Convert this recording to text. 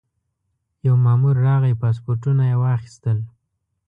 یو مامور راغی پاسپورټونه یې واخیستل.